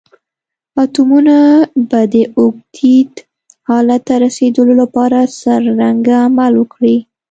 اتومونه به د اوکتیت حالت ته رسیدول لپاره څرنګه عمل وکړي؟